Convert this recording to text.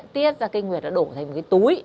tiết ra cây nguyệt nó đổ thành một cái túi